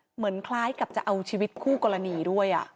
เหมือนคล้ายกับจะเอาชีวิตคู่กรณีด้วย